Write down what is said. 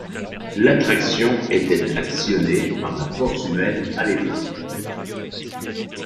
L'attraction était actionnée par la force humaine à l'époque.